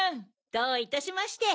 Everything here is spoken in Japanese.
どういたしまして。